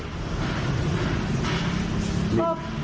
ก็ประมาณนั้นแหละ